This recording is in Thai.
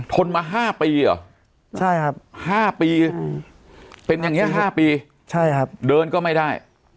ทนมาห้าปีเหรอใช่ครับห้าปีเป็นอย่างเงี้ยห้าปีใช่ครับเดินก็ไม่ได้